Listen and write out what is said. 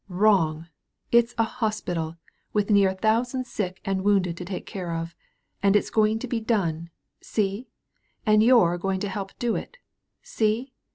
Wrong! It's a hospital, with near a thousand sick and wounded to take care of. And it's going to be done, see? And you're going to help do it, see?